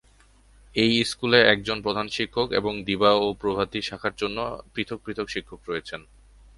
এই স্কুলে একজন প্রধান শিক্ষক এবং দিবা ও প্রভাতী শাখার জন্য পৃথক পৃথক শিক্ষক রয়েছেন।